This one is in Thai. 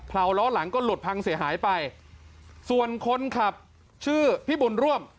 ลาวล้อหลังก็หลุดพังเสียหายไปส่วนคนขับชื่อพี่บุญร่วม